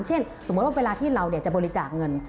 สมมุติว่าเวลาที่เราจะบริจาคเงิน